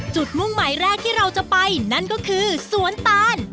มุ่งหมายแรกที่เราจะไปนั่นก็คือสวนตาน